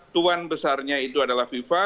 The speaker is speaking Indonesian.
tuan besarnya itu adalah fifa